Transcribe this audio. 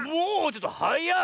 ちょっとはやっ！